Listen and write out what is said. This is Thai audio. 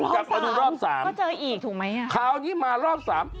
กลับมาดูรอบสามก็เจออีกถูกไหมอ่ะคราวนี้มารอบสาม